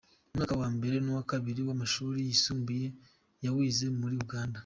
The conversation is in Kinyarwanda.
Umwaka wa mbere n’uwa kabiri w’amashuri yisumbuye yawize muri Uganda.